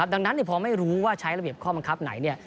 ดังนั้นพอไม่รู้ว่าใช้ระเบียบข้อบังคับไหน